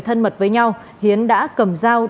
thân mật với nhau hiến đã cầm dao